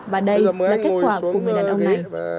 và đây là kết quả của người đàn ông này